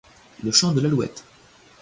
Le champ de l’Alouette.